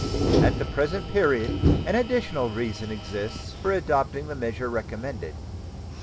At the present period an additional reason exists for adopting the measure recommended.